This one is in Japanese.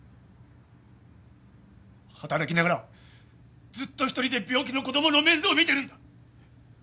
働きながらずっと１人で病気の子供の面倒を見てるんだ。